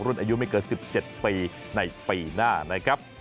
รุ่นอายุไม่เกิน๑๗ปีในปีหน้านะครับ